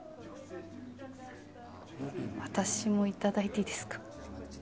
私も頂いていいですか？